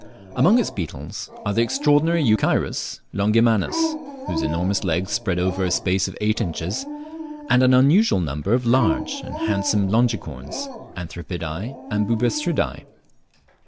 Among its beetles are the extraordinary Euchirus longimanus, whose enormous legs spread over a space of eight inches, and an unusual number of large and handsome Longicorns, Anthribidae, and Buprestidae.